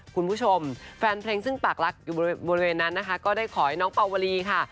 คุณผู้ชมแฟนเพลงซึ่งปากรักอยู่บริเวณนั้นนะคะก็ได้ขอให้น้องปาวลีค่ะ